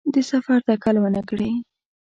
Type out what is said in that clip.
د سفر تکل ونکړي.